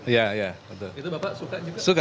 itu bapak suka juga